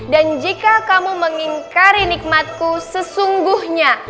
dan jika kamu mengingkari nikmatku sesungguhnya